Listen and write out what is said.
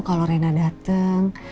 kalau rena dateng